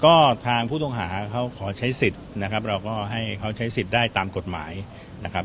ก็ทางผู้ต้องหาเขาขอใช้สิทธิ์นะครับเราก็ให้เขาใช้สิทธิ์ได้ตามกฎหมายนะครับ